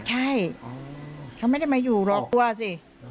ใช่เขาไม่ได้มาอยู่หรอกกลัวสิ